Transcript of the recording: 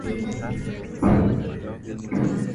vituo vya biashara kwa vibali vya watawala wa sehemu za